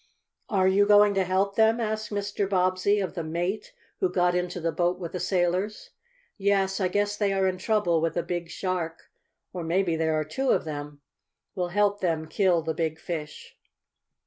"Are you going to help them?" asked Mr. Bobbsey of the mate who got into the boat with the sailors. "Yes, I guess they are in trouble with a big shark, or maybe there are two of them. We'll help them kill the big fish."